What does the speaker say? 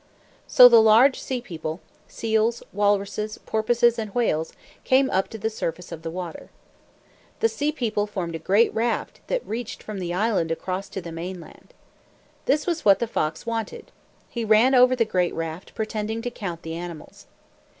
So the large sea people seals, walruses, porpoises, and whales came up to the surface of the water. The sea people formed a great raft, that reached from the island across to the mainland. This was what the fox wanted. He ran over the great raft, pretending to count the animals.